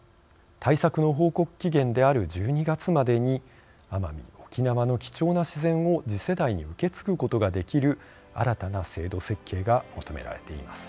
対策の報告期限である１２月までに奄美・沖縄の貴重な自然を次世代に受け継ぐことができる新たな制度設計が求められています。